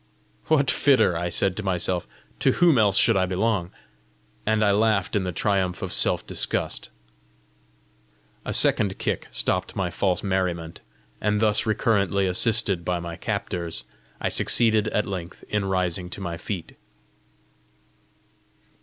"What fitter?" I said to myself; "to whom else should I belong?" and I laughed in the triumph of self disgust. A second kick stopped my false merriment; and thus recurrently assisted by my captors, I succeeded at length in rising to my feet.